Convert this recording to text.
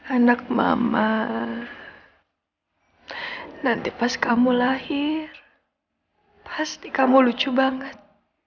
anak mama nanti pas kamu lahir pasti kamu lucu banget